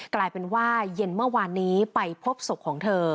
กลายเป็นว่าเย็นเมื่อวานนี้ไปพบศพของเธอ